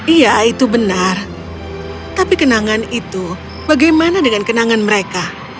iya itu benar tapi kenangan itu bagaimana dengan kenangan mereka